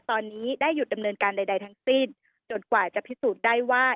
ตอนนี้ได้หยุดดำเนินการใดทั้งสิ้นจนกว่าจะพิสูจน์ได้ว่า